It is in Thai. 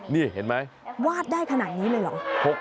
นี่เห็นไหมวาดได้ขนาดนี้เลยเหรอ